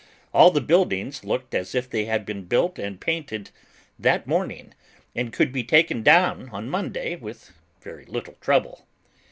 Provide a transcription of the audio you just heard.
All the buildings looked as if they had been built and painted that morning, and could be taken down on Monday with very little trouble.